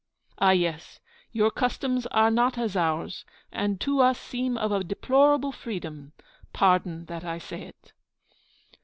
Ah, yes! your customs are not as ours, and to us seem of a deplorable freedom. Pardon that I say it.'